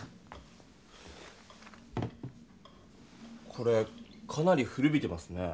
これかなり古びてますね。